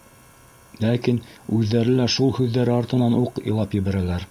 - Ләкин үҙҙәре лә шул һүҙҙәре артынан уҡ илап ебәрәләр.